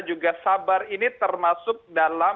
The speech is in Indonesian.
juga sabar ini termasuk dalam